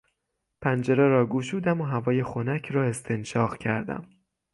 پنجره را گشودم و هوای خنک را استنشاق کردم.